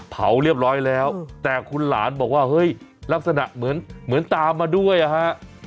เผาเรียบร้อยแล้วแต่คุณหลานบอกว่าเฮ้ยลักษณะเหมือนตามมาด้วยอ่ะฮะ